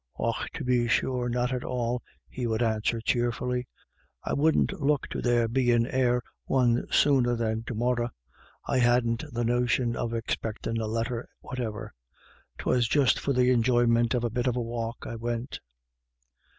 " Och, tubbe sure, not at all," he would answer cheerfully. " I wouldn't look to there bein' e'er a one sooner than to morra. I hadn't the notion of expectin' a letter whatever. 'Twas just for the enjoyment of the bit of a walk I went."